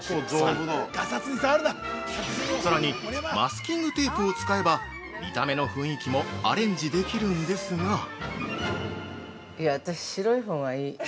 ◆さらにマスキングテープを使えば、見た目の雰囲気もアレンジできるんですが◆いや、私、白いほうがいい。